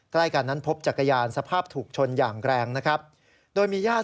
ใกล้กันนั้นพบจักรยานสภาพถูกชนอย่างแรงนะครับโดยมีญาติ